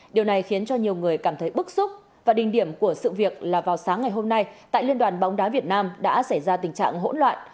điều này khiến cho nhiều người cảm thấy bức xúc và đình điểm của sự việc là vào sáng ngày hôm nay tại liên đoàn bóng đá việt nam đã xảy ra tình trạng hỗn loạn